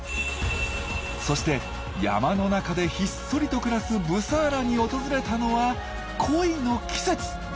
そして山の中でひっそりと暮らすブサーラに訪れたのは恋の季節！